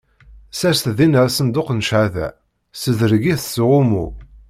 Sers dinna asenduq n cchada, ssedreg-it s uɣummu.